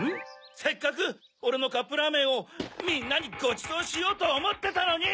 せっかくおれのカップラーメンをみんなにごちそうしようとおもってたのに！